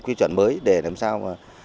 quy chuẩn mới để làm sao